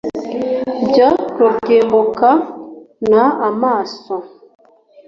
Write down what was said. byo rugimbu k n amaraso